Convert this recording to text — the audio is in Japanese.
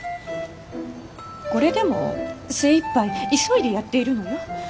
これでも精いっぱい急いでやっているのよ。